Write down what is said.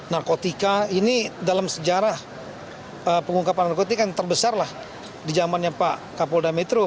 narkotika ini dalam sejarah pengungkapan narkotika yang terbesarlah di jamannya pak kapolda metro